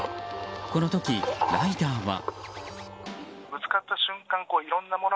この時、ライダーは。